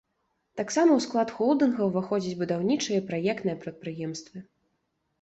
Таксама ў склад холдынга ўваходзяць будаўнічае і праектнае прадпрыемствы.